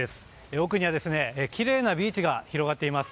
奥には、きれいなビーチが広がっています。